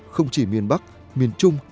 không chỉ miền bắc miền trung